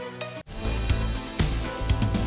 pelajaranonya sedikit rusak tapi dayanya exatamente